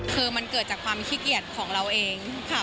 คือมันเกิดจากความขี้เกียจของเราเองค่ะ